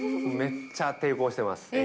めっちゃ抵抗してます。